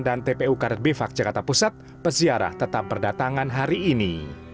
dan tpu karad bifak jakarta pusat pesiarah tetap berdatangan hari ini